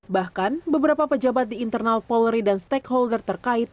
bahkan beberapa pejabat di internal polri dan stakeholder terkait